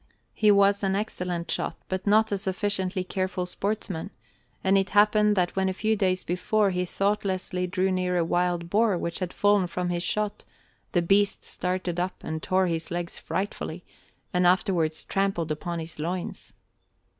He was an excellent shot but not a sufficiently careful sportsman, and it happened that when a few days before he thoughtlessly drew near a wild boar which had fallen from his shot, the beast started up and tore his legs frightfully, and afterwards trampled upon his loins.